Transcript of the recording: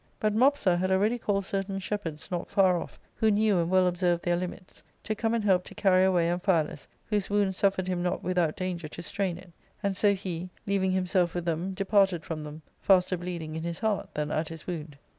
But Mopsa had already called certain shepherds, not far off, who knew and well observed their limits, to come and help to carry away Amphialus, whose wound suffered him not with out danger to strain it ; and so he, leaving himself with them, departed from them, faster bleeding in his heart than at his wound.